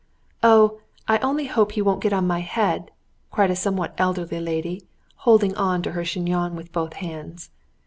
"Oh, I only hope he won't get on my head!" cried a somewhat elderly lady, holding on to her chignon with both hands.